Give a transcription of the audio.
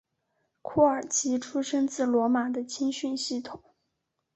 库尔奇出身自罗马的青训系统。